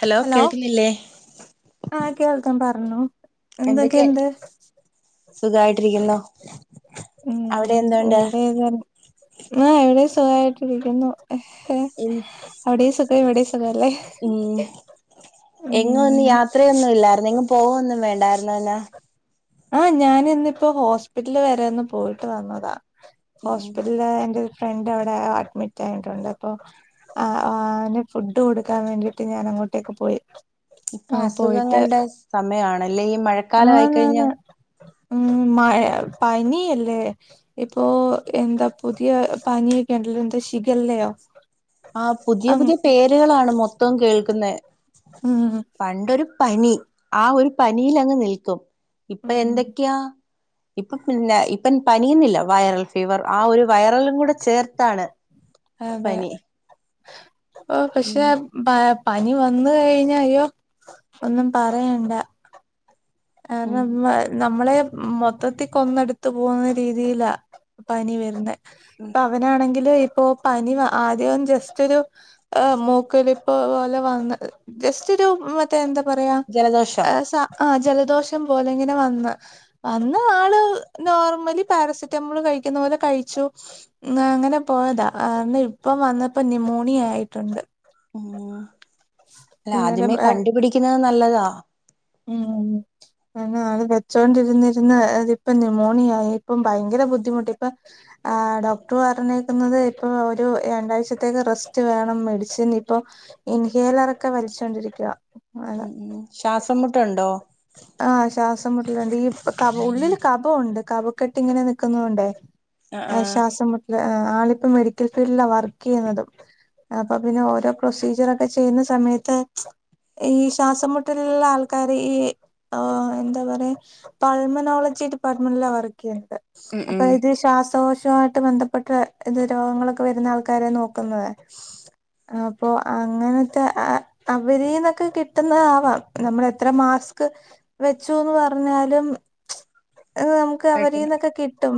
Hello കേൾക്കുന്നില്ലേ? ആഹ് കേൾക്കാം പറഞ്ഞോ എന്തൊക്കെ എന്തൊക്കെയുണ്ട് സുഖായിട്ടിരിക്കുന്നോ? ഉം ഇവിടെയതെ ആഹ് ഇവിടെ സുഖായിട്ട് ഇരിക്കുന്നു ഇൻ അവിടേം സുഖം ഇവിടേം സുഖല്ലേ ഉം എങ്ങൊന്ന് ഉം യാത്ര ഇത്രയൊന്നും ഇല്ലായിരുന്നു എങ്ങും പോകൊന്നും വേണ്ടാരുന്നോന്നെ ആഹ് ഞാൻ ഇന്നിപ്പോ ഹോസ്പിറ്റല് വരെ ഒന്ന് പോയിട്ട് വന്നതാ ഉം ഹോസ്പിറ്റലില് എന്റെ ഫ്രണ്ട് അവിടെ അഡ്മിറ്റ് ആയിട്ടുണ്ട് അപ്പൊ ആഹ് ആഹ് ഫുഡ് കൊടുക്കാൻ വേണ്ടീട്ട് ഞാൻ അങ്ങോട്ടേക്ക് പോയി ഇപ്പൊ പോയിട്ട് അസുഖങ്ങളുടെ സമയാണ്ല്ലെ ഈ മഴക്കാലം ആന്നാന്ന് ആയിക്കഴിഞ്ഞൽ ഉം മയ പനി അല്ലേ ഇപ്പോ എന്താ പുതിയ പനിയൊക്കെ ഉണ്ടല്ലോ എന്താ ശിഖല്ലയോ ആഹ് പുതിയ അം പുതിയ പേരുകളാണ് മൊത്തം കേൾക്കുന്നെ ഉം പണ്ടൊരു പനി ആഹ് ഒരു പനിയിൽ അങ്ങ് നിൽക്കും ഇപ്പൊ ഉം എന്തൊക്കെയാ ഇപ്പ പിന്ന ഇപ്പം പനിയുന്നില്ല വൈറൽ ഫീവർ ആഹ് ഒരു വൈറലും കൂടെ ചേർത്താണ് അതെ പനി ഓ ഉം പക്ഷെ പനി വന്ന് കഴിഞ്ഞാ യോ ഒന്നും പറയണ്ട ഉം കാരണം ന നമ്മളെ മൊത്തത്തിൽ കൊന്നെടുത്തു പോകുന്ന രീതിയിലാ പനി വരുന്നത് അവ അവനാണെങ്കിൽ ഇപ്പോ പനി ആദ്യം ജസ്റ്റ് ഒരു ആഹ് മൂക്കൊലിപ്പ് പോലെ വന്ന് ജസ്റ്റ് ഒരു എന്താ പറയാ ജലദോഷം ആഹ് ജലദോഷം പോലെ ഇങ്ങനെ വന്ന് അന്ന് ആള് നോർമലി പാരസെറ്റമോള് കഴിക്കുന്ന പോലെ കഴിച്ചു അന്ന് അങ്ങനെ പോയതാ ആഹ് ഇപ്പം വന്നപ്പോ ന്യൂമോണിയ ആയിട്ടുണ്ട് ഉം അല്ല ഇന്നലെ ആദ്യമേ ഏഹ് കണ്ടുപിടിക്കുന്നത് നല്ലതാ ഉം അങ്ങ് അത് വെച്ചോണ്ടിരുന്നിരുന്ന് അതിപ്പൊ ന്യുമോണിയായി ഇപ്പം ഭയങ്കര ബുദ്ധിമുട്ടാ ഇപ്പൊ ആഹ് ഡോക്ടർ പറഞ്ഞേക്കുന്നത് ഇപ്പൊ ഒരു രണ്ടാഴ്ചത്തേക്ക് റെസ്റ്റ് വേണം മെഡിസിൻ ഇപ്പൊ ഇൻഹേലറൊക്കെ വലിച്ചോണ്ടിരിക്കുവ ഉം ശ്വാസം മുട്ടുണ്ടോ ആഹ് ശ്വാസംമുട്ടലുണ്ട് ഈ ക ഉള്ളില് കപൊണ്ട് കപക്കെട്ട് ഇങ്ങനെ നിക്കുന്നൊണ്ടേ ആഹ് ശ്വാസം മുട്ടില് ആളിപ്പ മെഡിക്കൽ ഫീൽഡില വർക്ക് ചെയ്യുന്നതും അപ്പൊ പിന്നെ ഓരോ പ്രൊസീജിയറൊക്കെ ചെയ്യുന്ന സമയത്ത് ഈ ശ്വാസംമുട്ടലുള്ള ആൾക്കാര് ഈ ആഹ് എന്താ പറയാ പൾമനോളജി ഡിപ്പാർട്ട്മെന്റില വർക്ക് ചെയ്യണത് ഉം അപ്പൊ ഉം ഇത് ശ്വാസകോശമായി ബന്ധപ്പെട്ട ഇത് രോഗങ്ങളൊക്കെ വരുന്ന ആൾക്കാരെ നോക്കുന്നതാ അപ്പൊ അങ്ങനത്തെ ആഹ് അവരീന്നൊക്കെ കിട്ടുന്നതാവാം നമ്മെളെത്ര മാസ്ക് വെച്ചൂന്ന് പറഞ്ഞാലും ചും നമുക്ക് കഴിക്കുന്നു അവരീന്നൊക്കെ കിട്ടും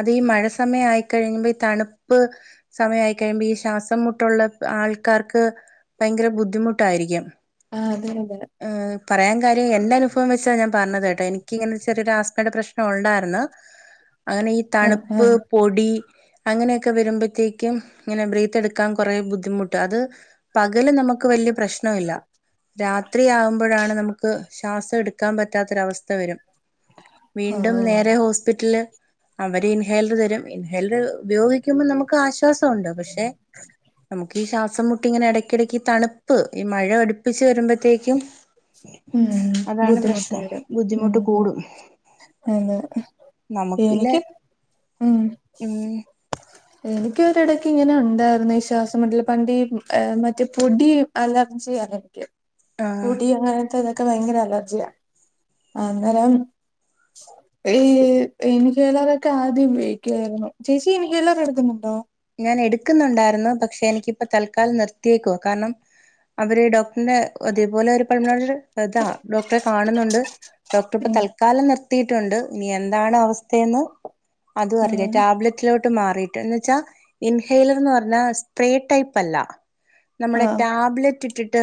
അത് ഈ മഴ സമയം ആയിക്കഴിയുമ്പോ ഈ തണുപ്പ് സമയമായിക്കഴിയുമ്പൾ ഈ ശ്വാസം മുട്ടുള്ള ആൾക്കാർക്ക് ഭയങ്കര ബുദ്ധിമുട്ടായിരിക്കും ആഹ് അതെ അതെ ഏഹ് പറയാൻ കാര്യം എന്റെ അനുഭവം വെച്ചാ ഞാൻ പറഞ്ഞത് കേട്ടോ എനിക്കിങ്ങനെ ചെറിയൊരു ആസ്മയുടെ പ്രശ്നം ഉണ്ടായിരുന്നു അങ്ങനെ ഈ ആഹ് തണുപ്പ് ആഹ് പൊടി അങ്ങനെയൊക്കെ വരുമ്പോഴത്തേക്കും ഇങ്ങനെ ബ്രീത്തെ ടുക്കാൻ കുറേ ബുദ്ധിമുട്ടാ അത് പകല് നമുക്ക് വല്ല്യ പ്രശ്ന ല്ല രാത്രി ആകുമ്പോഴ ഴാണ് നമുക്ക് ശ്വാസം എടുക്കാൻ പറ്റാത്തൊരവസ്ഥ വരും വീണ്ടും ആഹ് നേരെ ഹോസ്പിറ്റല് അവര് ഇൻഹേലർ തരും ഇൻഹേലർ ഉപയോഗിക്കുമ്പോൾ നമുക്ക് ആശ്വാസോണ്ട് പക്ഷെ നമുക്ക് ഈ ശ്വാസം മുട്ട് ഇങ്ങനെ ഇടയ്ക്കിടയ്ക്ക് ഈ തണുപ്പ് ഈ മഴ അടുപ്പിച്ച് വരുമ്പോഴത്തേക്കും ഉമ് അതാണ് ബുദ്ധിമുട്ട് പ്രശ്നം വരും ഉമ് ബുദ്ധിമുട്ട് കൂടും അതെ നമുക്കില്ല എനിക്ക് ഉമ് ഉം എനിക്ക് ഒരിടയ്ക്ക് ഇങ്ങനെ ഉണ്ടായിരുന്നു ഈ ശ്വാസം മുട്ടല് പണ്ടീ മറ്റേ പൊടി അലർജി അനക്യം ആഹ് ദി അങ്ങനൊത്തെ ഇതൊക്കെ ഭയങ്കര അലർജിയാ അഹ് അന്നരം ഏഹ് ഇൻഹൈലൊറൊക്കെ ആദ്യം ഉപയോഗിക്കുവായിരുന്നു ചേച്ചി ഇൻഹൈലെറെടുക്കുന്നുണ്ടോ ഞാൻ എടുക്കുന്നുണ്ടായിരുന്നു പക്ഷെ എനിക്കിപ്പം തൽക്കാലം നിർത്തിയേക്കുവാ കാരണം അവര് ഡോക്ടറിന്റെ അതേപോലൊരു [unintelligible] അതാ ഡോക്ടറെ കാണുന്നുണ്ട് ഡോക്ടർ ഇപ്പം ഉം തത് കാലം നിർത്തിയിട്ടുണ്ട് ഇനി എന്താണ് അവസ്ഥയന്ന് അത അറില്ല ഉം ടാബ്ലറ്റ് ലോട്ട് മാറിട്ട് എന്ന് വെച്ചാ ഇൻഹെലർ എന്ന് പറഞ്ഞാ സ്പ്രേ ടൈപ്പല്ല നമ്മുടെ ആഹ് ടാബ്ലെറ്റ് ഇട്ടിട്ട്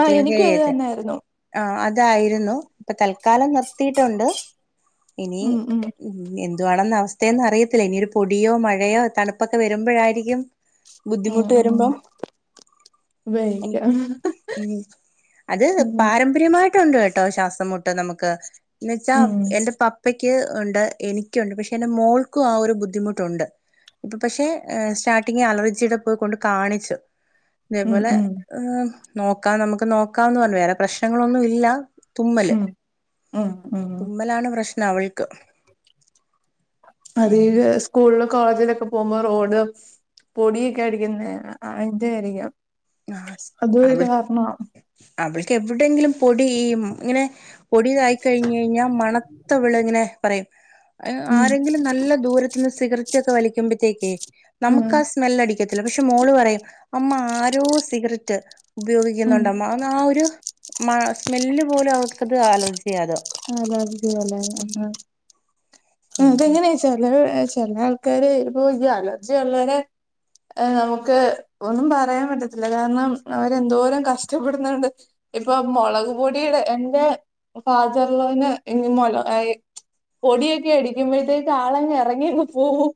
ആഹ് ഇൻഹൈൽ എനിക്കും അത് ചെയ്യത്തില്ലേ തന്നെയായിരുന്നു ആഹ് അതായിരുന്നു ഇപ്പൊ തൽക്കാലം നിർത്തിയിട്ടുണ്ട് ഇനി ഉം ഉം ഉ എന്തുവാണെന്നവസ്ഥെയന്ന് അറിയത്തില്ല ഇനിയൊരു പൊടിയോ മഴയോ തണുപ്പൊക്കെ വരുമ്പോഴായിരിക്കും ഉം ബുദ്ധിമുട്ട് ഉം വരുമ്പം ഉപയോഗിക്കാം ഉമ് അത് ഉം പാരമ്പര്യമായിട്ടുണ്ട് കേട്ടോ ശാസ് മുട്ട് നമുക്ക് എന്ന് വെച്ചാ ഉം എന്റെ പപ് അപ്പക്ക് ഉണ്ട് എനിക്കുണ്ട് പക്ഷെ എന്റെ മോൾക്കും ആ ഒരു ബുദ്ധിമുട്ടുണ്ട് പക്ഷെ സ്റ്റാർട്ടിങി അലർജിയുടെ പോയി ക്കൊണ്ട് കാണിച്ചു ഉം ഉം ഇതേപോലെ ഉം ഈ നോക്കാം നമുക്ക് നോക്കാം ന്ന് പറഞ്ഞു വേറെ പ്രശ്നങ്ങളൊന്നും ഇല്ല തുമ്മല് ഉം ഉം തുമ്മലാണ് പ്രശ്നം അവൾക്ക് അതേഴ് വയസ് സ്കൂളിൽ കോളേജിലൊക്കെ പോകുമ്പോ റോഡ് പൊടിയൊക്കെ അടിക്കുന്ന അയിന്റെ ആരിക്കാം ആ അവൾ അവൾക്ക് എവിടെയങ്കിലും പൊടി ഇങ്ങനെ പൊടിയായി കഴിഞ്ഞാൽ മണത്ത വിള ഇങ്ങനെ പറയും ഉം ആരെങ്കിലും നല്ല ദൂര സിഗരറ്റ് ഒക്കെ വലിക്കുമ്പോഴത്തേക് ഉം നമുക്ക് ആ സ്മെല്ല് അടിക്കത്തില്ല പക്ഷെ മോള് പറയും അമ്മാ ആരാ രോ സിഗരറ്റ് ഉം ഉപയോഗിക്കുന്നുണ്ട മ്മാ ന്നാ ആ ഒരു മ സ്മെല്ല് പോലും അവർക്കത് അലർചിയാ. അല്ലർജി പോലെ ആഹ് എന്ത് അതെങ്ങനെയ ചില ചില ആൾക്കാര് പ്പോ അലർജിള്ളരെ. ഏഹ് നമുക്ക് ഒന്നും പറയാൻ പറ്റത്തില്ല കാരണം അവരെന്തോരം കഷ്ടപ്പെടുന്നുണ്ട്. ഇപ്പൊ മുളക് പൊടിയുടെ എന്റെ ഫാദറലോന്റെ ഇനി മൊ പൊടിയൊക്കെ അടിക്കുമ്പോഴത്തേക്ക് ആളങ്ങ് ഇറങ്ങി അങ് പോവും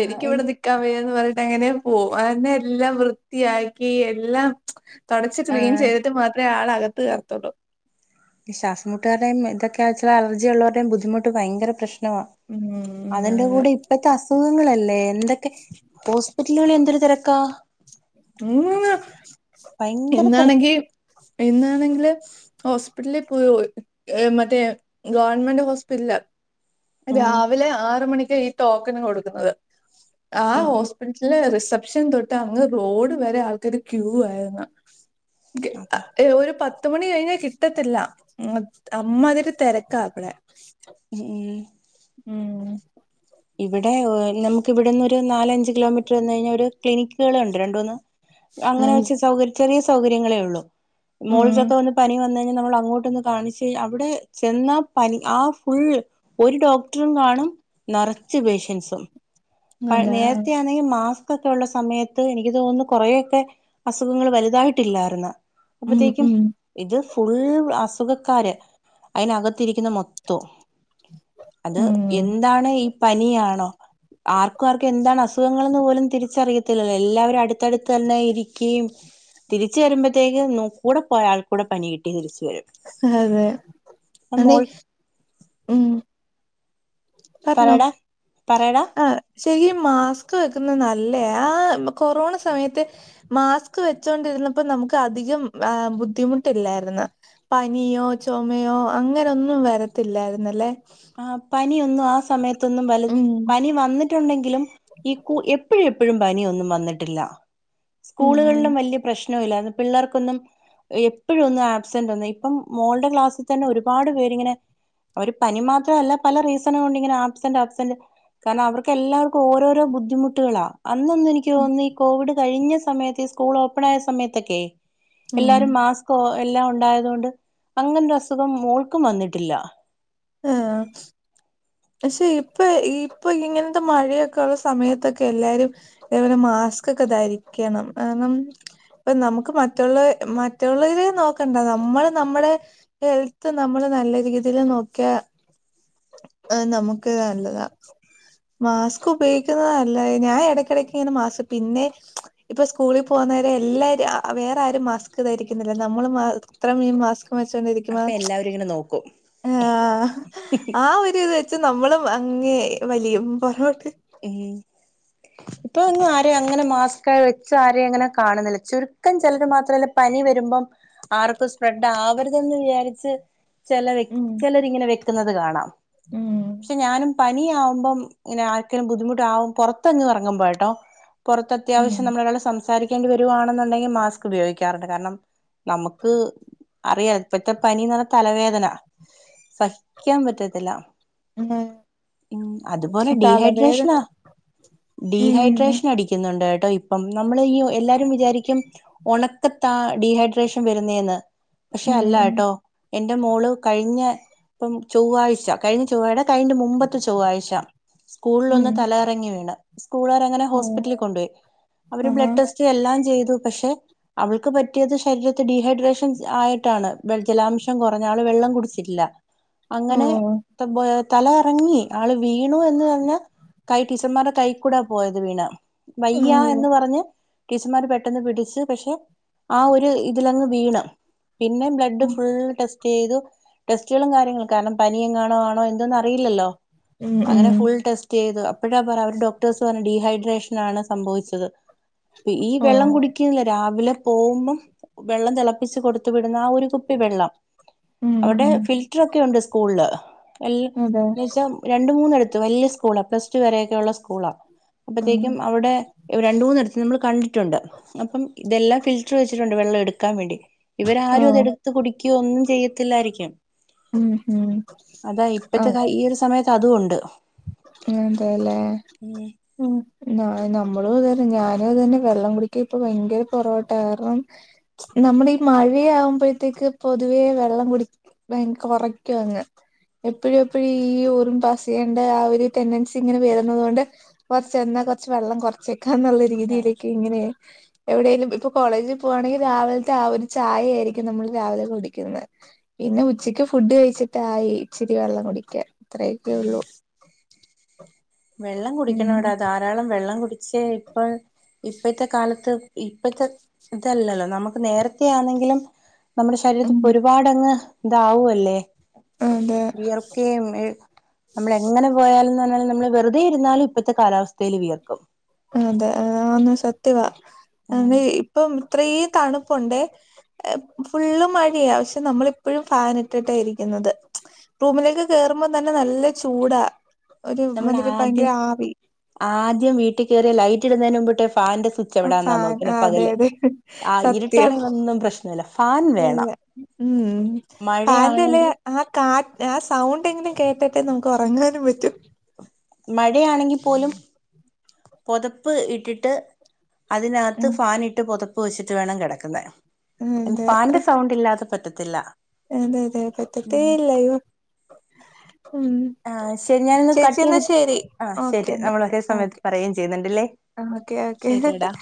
ആഹ് എനി എനിക്കിവിടെ ന്നിക്കാ ക വയന്ന് പറഞ്ഞട്ട് അങ്ങനെ പോവും എല്ലാം വൃത്തിയാക്കി എല്ലാം. തുടച്ച് ക്ലീൻ ആഹ് ചെയ്തിട്ട് മാത്രമേ ആൾ അകത്ത് കയറതൊള്ളൂ. ശ്വാസ മുട്ടുകരുടെയും ഇതൊക്കെ ആയച്ചാ അലജിയുള്ളവരുടെയും ബുദ്ധിമുട്ട് ഭയങ്ക പ്രശ്നമാ. ഉമ് ഉമ് ഉമ് അതിന്റെ കൂടെ ഇപ്പഴത്തെ അസുഖങ്ങളല്ലേ എന്തൊക്കെ ഹോസ്പിറ്റലുകളിൽ എന്തൊരു തെരക്കാ. ഉമ് ഭയങ്കര തിരക്ക് ഇന്നാണെങ്കി ഇന്നാണെങ്കില്. ഹോസ്പിറ്റൽ പോയി മറ്റേ ഗവർമെന്റ് ഹോസ്പിറ്റല ഉം രാവിലെ ആറ് മണികാ ഈ ടോക്കന് കൊടുക്കുന്നത് ആഹ് ഉം ഹോസ് ട്ടില് റിസപ്ഷൻ തൊട്ട് അങ്ങ് റോഡ് വരെ ആൾക്കാാര് ക്യൂ ആയിരുന്ന. അതെ. ഏ ഒരു പത് മണി കഴിഞ്ഞാ കിട്ടത്തില്ല അമ്മതിരി തെരക്കാ ഇപടെ. ഏഹ് ഏഹ് ഉം. ഇവിടെ നമുക്ക് ഇവിടെന്ന് നാലഞ്ചച് കിലോമീറ്റർ വന്ന കഴിഞ്ഞാൽ ഒരു ക്ലിനിക്കുക ഉണ്ട് രണ്ടൂന്ന്. അങ്ങനെ ഉം വെച്ച് സൗകര് ചെറിയ സൗകര്യങ്ങളേ ഉള്ളു. മോൾ ഉം [unintelligible] പനി വന് കഴിഞ്ഞാൽ നമ്മൾ അങ്ങോട്ട് കാണിച്ചു അവിടെ ചെന്ന പനി ആഹ് ഫുള് ഒരു ഡോക്ടറും കാണും. നറച്ച് പേഷ്യൻസും. പ അതെ നേരത്തെ ആണെങ്കിൽ മാസ്ക് ഒക്കെ ഉള്ള സമയത്ത് എനിക്ക് തോന്നുന്നു കുറെേയൊക്കെ. അസുഖങ്ങൾ ഒന്നും വലുതായിട്ടില്ലായിരുന്ന് ഉം അപ്പത്തേക്കും ഉം ഇത് ഫുൾ അസുഖക്കാര് അതിനകത്തിരിക്കുന്ന മൊത്തോ. അത് ഉം എന്താണ് ഈ പനിയാണോ. ആർക്കും ആർക്കും എന്താണ് അസുഖങ്ങളൾന്ന് പോലും തിരിച്ചറിയത്തില്ലല്ലോ എല്ലാവരും അടുത്തടുത്ത് തന്നെ ഇരിക്കുകയും. തിരിച്ച വരുമ്പഴതേകും ന കൂടെ പോയാൾകു കൂടെ പനി കിട്ടി തിരിച്ചു വരും. അതെതെ പനി മോൾ ഉം. പറഞ്ഞോ പറയടാ പറയടാ ആഹ് ശെരി മാസ്ക് വെക്കുന്നത് നല്ല ആഹ് കൊറോണ സമയത്ത്. മാസ്ക് വെച്ചോണ്ടിരുന്നപ്പോ നമുക്ക് അധികം ബുദ്ധിമുട്ടില്ലാര്ന്. പനിയോ ചുമയോ അങ്ങനൊന്നും വരത്തില്ലായിരുന്നല്ലേ. ആഹ് പനിയൊന്നും ആഹ് സമയത്തൊന്നും വല ഉം പനി വന്നിട്ടുണ്ടെങ്കിലും ഈ എപ്പോഴും ഇപ്പോഴും പനിയൊന്നും വന്നിട്ടില്ല ഉം സ്കൂളുകളിലും വലിയ പ്രശ്ന ഇല്ലായിരുന്നു പിള്ളേർക്കൊന്നും. എപ്പോഴൊന്നും ആബ്സെന്റ് ഒന്ന ഇപ്പം മോളുടെ ക്ലാസ്സിൽ തന്നെ ഒരുപാട് പേരിങ്ങനെ. ഒര് പനിമാത്ര അല്ല പല റീസൺ കൊണ്ട് ഇങ്ങനെ ആബ്സന്റ് ആബ്സൻ്റ് കാരണം അവർക്ക് എല്ലാവർക്കും ഓരോരോ ബുദ്ധിമുട്ടുകളാ. അന്നൊന് എനിക്ക് ഉം തോന്നി ഈ കോവിഡ് കഴിഞ്ഞ സമയത്ത് ഈ സ്കൂൾ ഓപ്പൺ ആയ സമയത്തൊക്കെ. ഉം എല്ലാരും മാസ്കോ എല്ലാം ഉണ്ടായത കൊണ്ട് അങ്ങനെ അസുഖം മോൾക്കും വന്നിട്ടില്ല. ആഹ് പക്ഷെ ഇപ്പൊ ഇപ്പൊ ഇങ്ങനത്തെ മഴയൊക്കെ ഉള്ള സമയത്തൊക്കെ എല്ലാരും. അതേപോലെ മാസ്ക് ഒക്കെ ധരിക്കണം കാരണം. ഇപ്പൊ നമുക്ക് മറ്റുള്ള മറ്റുള്ളവരെ നോക്കണ്ട നമ്മള് നമ്മുടെ. ഹെൽത്ത് നമ്മള് നല്ല രീതിൽ നോക്കിയ. ആഹ് നമുക്ക് നല്ലതാ മാസ്ക് ഉപയോഗിക്കുന്ന നല്ല ഞാൻ ഇടക്കിടക്ക് ഇങ്ങനെ മാസ്ക് പിന്നെ ഇപ്പൊ സ്കൂളിൽ പോകുന്നവരെ എല്ലാരും വേറെ ആരും മാസ്ക് ധരിക്കുന്നില്ല നമ്മള് മാത്രെ മാസ്ക് വെച്ചൊണ്ടിരിക്ക അപ്പൊ എല്ലാവരും ഇങ്ങനെ നോക്കും ആ ആ ഒരു ഇത് വെച്ച് നമ്മളും അങ്ങേ വലിയുബോട്ട് ഏഹ് ഇപ്പൊ ഒന്നും ആരെയും അങ്ങനെ മാസ്ക് വെച്ച് ആരെയും അങ്ങനെ കാണുന്നില്ല ചുരുക്കം ചിലർ മാത്രല്ല പനി വരുമ്പം ആർക്കും സ്പ്രെഡ് ആവരുതെന്ന് വിചാരിച്ച് ചിലവെ ഉം ചിലരിങ്ങനെ വെക്കുന്നത് കാണാം ഉം പക്ഷെ ഞാനും പനിയാവുമ്പം ഇങ്ങനെ ആർക്കേലും ബുദ്ധിമുട്ടാവു പുറത്ത് അങ്ങ് ഇറങ്ങുമ്പോ കേട്ടോ പുറത്ത് അത്യാവശ്യം നമ്മള് ഉം ഒരാൾ സംസാരിക്കേണ്ടി വരുവാണെന്നുണ്ടെങ്കിൽ മാസ്ക് ഉപയോഗിക്കാറുണ്ട് കാരണം നമുക്ക് അറിയാം ഇപ്പത്തെ പനിന്ന് പറഞാ തലവേദന സഹിക്കാൻ പറ്റത്തില്ല ഉം അതുപോലെ തലവേദന ഡീഹൈഡ്രേഷനാ ഉം ഡീഹൈഡ്രേഷൻ അടിക്ക് പിന്നേ എന്തായിട്ടാ ഇപ്പം നമ്മള് ഈ എല്ലാരും വിചാരിക്കും ഒണക്കത്താ ഡീ ഹൈഡ്രേഷൻ വരുന്നേന്ന് പക്ഷേ ഉം ഉം അല്ലാട്ടോ എന്റെ മോള് കഴിഞ്ഞ ഇപ്പം ചൊവ്വാഴ്ച കഴിഞ്ഞ ചൊവ്വാടെ കഴി [unintelligible] മുമ്പത്ത ചൊവ്വയ്ച്ച ഉം സ്കൂളിലോന്ന് തലകറങ്ങി വീണ് സ്കൂളുകർ അങ്ങനെ ഓ ഹോസ്പിറ്റലിൽ കൊണ്ടുപോയി അവര് ആഹാ ബ്ലഡ് ടെസ്റ്റ് എല്ലാം ചെയ്തു പക്ഷെ അവൾക്ക് പറ്റിയത് ശരീരത്തെ ഡീഹൈഡ്രേഷൻ ആയിട്ടാണ് ജലാംശം കുറഞ്ഞ അവള് വെള്ളം കുടിച്ചിട്ടില്ല ഓ അങ്ങനെ തലകറങ്ങി ആള് വീണു എന്ന് തന്നെ കൈ ടീച്ചർമാരുടെ കൈ കൂടാ പോയത് വീണ വയ്യ അയ്യോ എന്ന് പറഞ്ഞ് ടീച്ചർമാര് പെട്ടെന്ന് പിടിച്ചു പക്ഷെ ആഹ് ഒരു ഇതിലങ്ങ് വീണ് പിന്നെ ബ്ലഡ് ഉം ഫുൾ ടെസ്റ്റ് ചെയ്തു ടെസ്റ്റുകളും കാര്യങ്ങളും കാരണം പനിയെങ്ങാണോ ആണോ എന്തോന്ന അറിയില്ലല്ലോ ഉം അങ്ങനെ ഫുൾ ടെസ്റ്റ് ചെയ്തു അപ്പോഴാ പറ അവര് ഡോക്ടേഴസ് പറഞ്ഞ ഡീഹൈഡ്രേഷൻ ആണ് സംഭവിച്ചത് ഈ ഓ വെള്ളം കുടി [unintelligible] രാവിലെ പോകുമ്പം വെള്ളം തിളപ്പിച്ച് കൊടുത്തു വിടുന്ന ആ ഒരു കുപ്പി വെള്ളം ഉം അവിടെ ഉം ഫിൽറ്റർ ഒക്കെ ഉണ്ട് സ്കൂളില് എല്ല അതെ എന്ന് വെച്ചാ രണ്ട് മൂന്നടുത്ത് വല്യ സ്കൂളാ പ്ലസ് ടു വരെയൊക്കെയുള്ള സ്കൂളാ. ഉം അപ്പത്തേക്കും അവിടെ രണ്ട് മൂന്നിടത്ത് നമ്മൾ കണ്ടിട്ടുണ്ട് അപ്പം ഇതെല്ലാം ഫിൽറ്റർ വെച്ചിട്ടുണ്ട് വെള്ളം എടുക്കാൻ വേണ്ടി ഇവരാരും ഓ അത് എടുത്ത് കുടിക്കുകയോ ഒന്നും ചെയ്യത്തില്ലായിരിക്കും ഉം ഉം അതാ ഇപ്പത്തെ കാ ഈ ഒരു സമയത്ത് അതുംണ്ട് അതേല്ലേ ഉം ന നമ്മളും ഇതന്നെ. ഞാനും അതന്നെ. വെള്ളം കുടിക്ക ഇപ്പ ഭയങ്കര കുറവട്ടോ. കാരണം നമ്മള് ഈ മഴയാകുമ്പോഴത്തേക്ക് പൊതുവേ വെള്ളം കുടി ഭയര കുറയ്ക്കും അങ്ങ് എപ്പഴും എപ്പഴും ഈ യുറിൻ പാസെയ്യാൻ ന്റെ ആ ഒരു ടെൻഡൻസി ഇങ്ങനെ വരുന്നത് കൊണ്ട്കൊറച്ച് ന്നാ കൊർച്ച് വെള്ളം കുറച്ചേക്കാന്നുള്ള രീതിയിലേക്ക് എന്തിന്? എവിടെങ്കിലും ഇപ്പോ കോളേജി പോവ്വാണെങ്കിൽ രാവിലത്തെ ആ ഒരു ചായയായിരിക്കും നമ്മൾ രാവിലെ കുടിക്കുന്നത്. പിന്നെ ഉച്ചയ്ക്ക് ഫുഡ് കഴിച്ചിട്ടായി ഇച്ചിരി വെള്ളം കുടിക്കാ. അത്രയൊക്കെ ഉള്ളൂ വെള്ളം ഉം കുടിക്കണം ടാ. ധാരാളം വെള്ളം കുടിച്ചേ ഇപ്പം ഇപ്പഴത്തെ കാലത്ത് ഇപ്പത്തെ ഇതല്ലല്ലോ നമുക്ക് നേരത്തെ ആണെങ്കിലും നമ്മുടെ ഉം ശരീരത്തിപ്പൊ ഒരുപാടങ്ങ് ഇതാവുല്ലേ അതെ വിയർക്കയും ഏഹ് നമ്മൾ എങ്ങനെ പോയാലുംന്നല്ല [unintelligible] നമ്മള് വെറുതെ ഇരുന്നാലും ഇപ്പത്തെ കാലാവസ്ഥേല് വിയർക്കും. അതെ. അതുപറഞ്ഞത് സത്യവാ. ഉം അതേ ഇപ്പം ഇത്രയും തണുപ്പുണ്ടേ ഏഹ് ഫുള്ള് മഴയാ പക്ഷേ നമ്മളിപ്പോഴും ഫാൻ ഇട്ടിട്ടാ ഇരിക്കുന്നത് റൂമിലേക്ക് കേറുമ്പം തന്നെ നല്ല ചൂടാ ഒരു മാതിരി നമ്മളാദ്യം ഭയങ്കര ആവി ആദ്യം വീട്ട്കേറിയ ലൈറ്റ് ഇടുന്നതിന് മുമ്പ്ട്ട ഫാന്റെ സു ച്ച് എവിടാന്നാ ഫാൻ നോക്കുന്നെ അതെ പകല് അതെ ആഹ് സത്യം ഇരുട്ടാണെങ്കിലൊന്നും പ്രശ്നല്ല ഫാൻ ഇല്ല വേണം ഉം ഫാന്റെല്ലേ മഴയാണെങ്കിലും ആഹ് കാ ആഹ് സൗണ്ടെങ്കിലും കേട്ടിട്ടെ നമ്ക്ക് ഒറങ്ങാനും പറ്റും മഴയാണെങ്കി പോലും പൊതപ്പ് ഇട്ടിട്ട് അതിനകത്ത് ഉം ഫാന്ട്ട് പൊതപ്പ് വെച്ചിട്ട് വേണം കെടക്കുന്നെ അതെ ഫാന്റെ സൗണ്ടില്ലാതെ പറ്റത്തില്ല അതെ അതെ പറ്റത്തേല്ലയ് ഉം ആഹ് ശെരി ഞാനൊന്ന് ചേച്ചി എന്നാ കട്ടെയ്തിട്ട് ശരി ആഹ് ഓക്കെ ശെരി നമ്മള് ഒരേ സമയത്ത് പറയും ചെയ്യുന്നുണ്ടല്ലേ ആഹ് ഓക്കെ ഓക്കെ ശരിയടാ